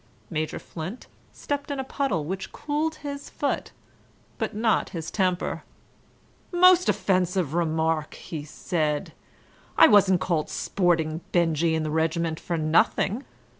Major Flint stepped in a puddle which cooled his foot but not his temper. "Most offensive remark," he said. "I wasn't called Sporting Benjy in the regiment for nothing.